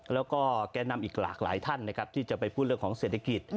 แล้วก็แก่นำอีกหลากหลายท่านนะครับที่จะไปพูดเรื่องของเศรษฐกิจ